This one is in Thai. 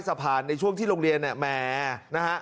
สไฟล์ในช่วงที่โรงเรียนแหม